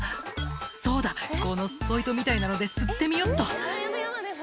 「そうだこのスポイトみたいなので吸ってみよっと」